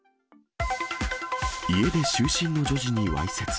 家で就寝の女児にわいせつ。